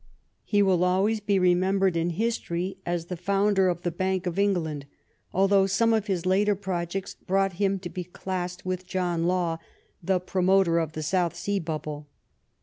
He will always be remembered in history as the founder of the Bank of England, al though some of his later projects brought him to be classed with John Law, the promoter of the South Sea Bubble.